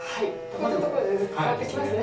こういったところで変わってきますね。